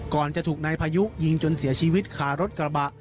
ก่อนจะถูกนายพายุยิงจนเสียชีวิตคารถกระบะ